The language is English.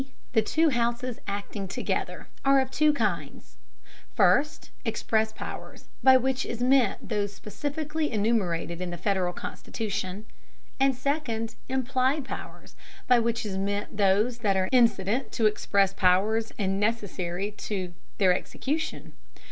_ the two houses acting together, are of two kinds: First, express powers, by which is meant those specifically enumerated in the Federal Constitution; and second, implied powers, by which is meant those which are incident to express powers and necessary to their execution.